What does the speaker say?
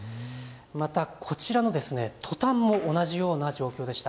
また、こちらのトタンも同じような状況でした。